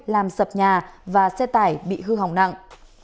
làm sập nhà và xe tải bị hư hỏng nặng